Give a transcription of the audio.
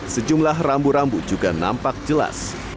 sejumlah rambu rambu juga nampak jelas